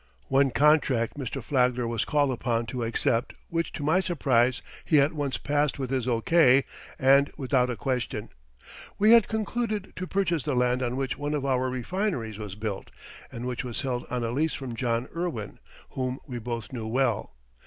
One contract Mr. Flagler was called upon to accept which to my surprise he at once passed with his O.K. and without a question. We had concluded to purchase the land on which one of our refineries was built and which was held on a lease from John Irwin, whom we both knew well.